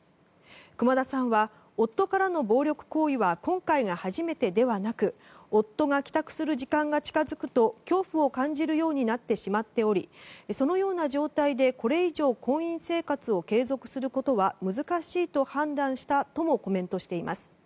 熊田さんは夫からの暴力行為は今回が初めてではなく夫が帰宅する時間が近づくと恐怖を感じるようになってしまっておりそのような状態でこれ以上、婚姻生活を継続することは難しいと判断したともコメントしています。